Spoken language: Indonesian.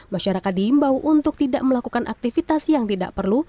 masyarakat diimbau untuk tidak melakukan aktivitas yang tidak perlu